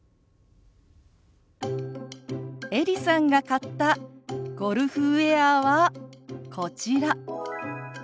エリさんが買ったゴルフウエアはこちら。